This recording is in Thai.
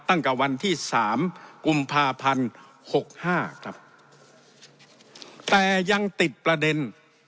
ตั้งแต่วันที่สามกุมภาพันธ์หกห้าครับแต่ยังติดประเด็น